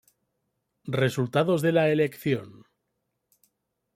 Resultados de la elección.